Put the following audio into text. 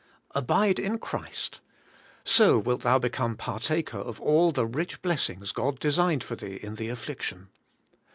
Abide in Christ: so wilt thou become partaher of all the rich Uessings God designed for thee in the afflic tion.